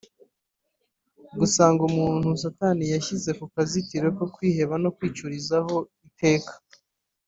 gusanga umuntu Satani yashyize mu kazitiro ko kwiheba no kwiciraho iteka